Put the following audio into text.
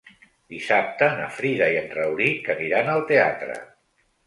Dissabte na Frida i en Rauric aniran al teatre.